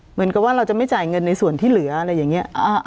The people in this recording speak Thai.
เหมือนกับว่าเราจะไม่จ่ายเงินในส่วนที่เหลืออะไรอย่างนี้